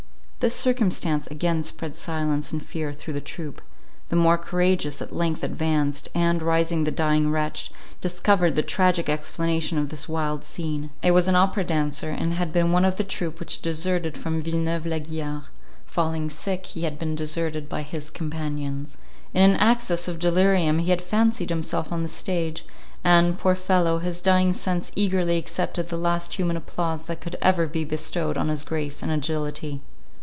This circumstance again spread silence and fear through the troop; the more courageous at length advanced, and, raising the dying wretch, discovered the tragic explanation of this wild scene. It was an opera dancer, and had been one of the troop which deserted from Villeneuve la Guiard: falling sick, he had been deserted by his companions; in an access of delirium he had fancied himself on the stage, and, poor fellow, his dying sense eagerly accepted the last human applause that could ever be bestowed on his grace and agility.